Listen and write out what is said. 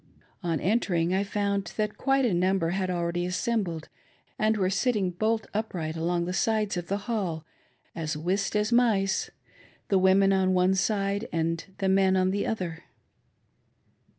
On entering, I found that quite a num ber had already assembled and weire sitting bolt upright along the sides of the hall, as whist as mice — the women on one side, and the men on the other.